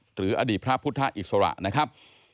หรืออดีตพระพุทธอิสระนะครับ